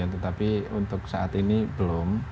tetapi untuk saat ini belum